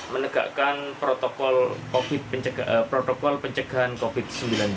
menegakkan protokol pencegahan covid sembilan belas